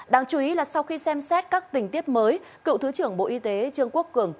đáng chú ý là sau khi xem xét các tình tiết mới cựu thứ trưởng bộ y tế trương quốc cường